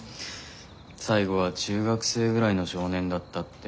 最後は中学生ぐらいの少年だったって。